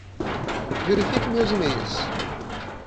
Verifique meus emails.